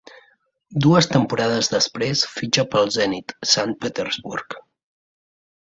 Dues temporades després fitxa pel Zenit Sant Petersburg.